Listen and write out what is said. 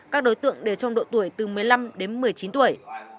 các đối tượng đều trong độ tuổi từ một mươi năm đến một mươi chín tuổi